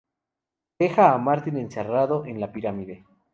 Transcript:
Deja a Martin encerrado en la pirámide.